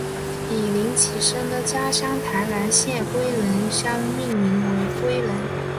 以林启生的家乡台南县归仁乡命名为归仁。